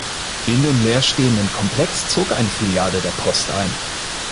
In den leerstehenden Komplex zog eine Filiale der Post ein.